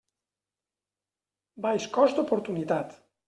Baix cost d'oportunitat.